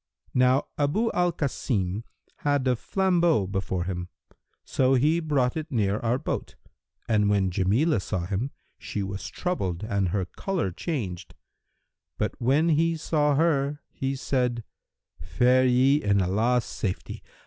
Now Abu al Kasim had a flambeau before him; so he brought it near our boat,[FN#337] and when Jamilah saw him, she was troubled and her colour changed: but, when he saw her, he said, 'Fare ye in Allah's safety.